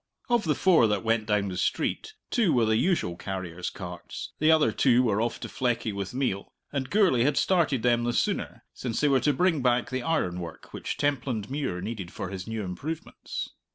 Of the four that went down the street two were the usual carriers' carts, the other two were off to Fleckie with meal, and Gourlay had started them the sooner since they were to bring back the ironwork which Templandmuir needed for his new improvements.